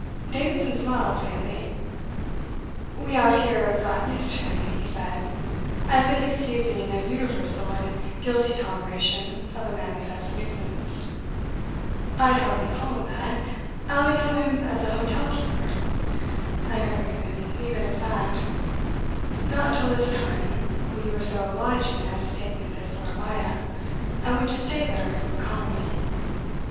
Davidson smiled faintly. "We out here have got used to him," he said, as if excusing a universal and guilty toleration of a manifest nuisance. "I'd hardly call him that. I only know him as a hotel keeper." "I never knew him even as that not till this time, when you were so obliging as to take me to Sourabaya, I went to stay there from economy.